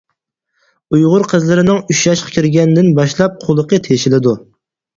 ئۇيغۇر قىزلىرىنىڭ ئۈچ ياشقا كىرگەندىن باشلاپ قۇلىقى تېشىلىدۇ.